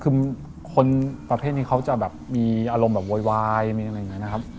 คือคนประเภทนี้เขาจะแบบมีอารมณ์แบบโวยวายมีอะไรอย่างนี้นะครับ